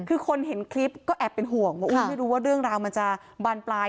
คือคนเห็นคลิปก็แอบเป็นห่วงว่าไม่รู้ว่าเรื่องราวมันจะบานปลาย